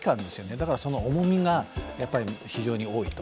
だからその重みが非常に多いと。